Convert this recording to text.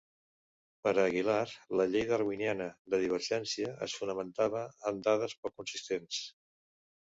Per a Aguilar la llei darwiniana de divergència es fonamentava en dades poc consistents.